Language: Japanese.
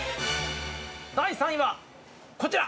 ◆第３位は、こちら。